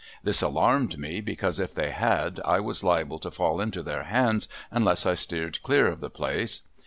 This alarmed me, because if they had, I was liable to fall into their hands unless I steered clear of the place.